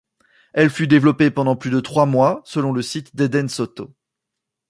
Elle fut développée pendant plus de trois mois, selon le site d'Eden Soto.